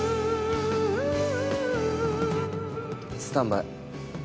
スタンバイ。